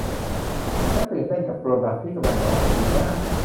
ฉันตื่นเต้นกับโปรดักส์ที่กำลังจะออกในปีหน้า